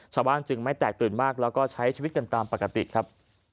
ชาวบ้านจึงไม่แตกตื่นมากแล้วก็ใช้ชีวิตกันตามปกติครับ